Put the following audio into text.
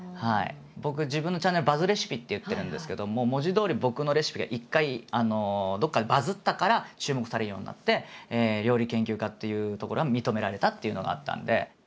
僕自分のチャンネル「バズレシピ」って言ってるんですけども文字どおり僕のレシピが一回どこかでバズったから注目されるようになって料理研究家っていうところは認められたっていうのがあったんで。